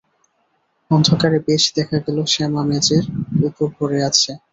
অন্ধকারে বেশ দেখা গেল– শ্যামা মেজের উপর পড়ে আছে।